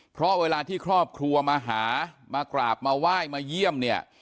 เพราะเวลาที่ครอบครัวมาหามากราบมาไหว้มาเยี่ยมเนี่ย